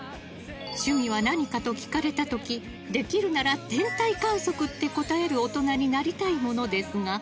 趣味が何かと聞かれた時できるなら天体観測って答える大人になりたいものですが。